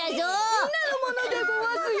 みんなのものでごわすよ。